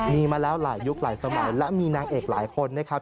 มีมาแล้วหลายยุคหลายสมัยและมีนางเอกหลายคนนะครับ